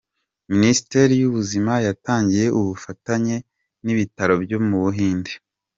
Minisiteri y’Ubuzima yatangiye ubufatanye n’ibitaro byo mu Buhinde.